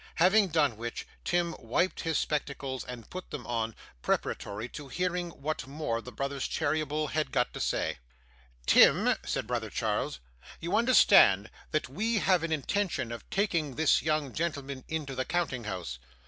Having done which, Tim wiped his spectacles and put them on, preparatory to hearing what more the brothers Cheeryble had got to say. 'Tim,' said brother Charles, 'you understand that we have an intention of taking this young gentleman into the counting house?